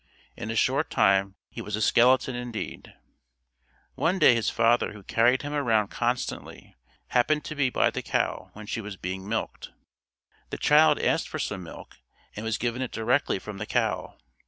In a short time he was a skeleton indeed. One day his father who carried him around constantly, happened to be by the cow when she was being milked. The child asked for some milk and was given it directly from the cow.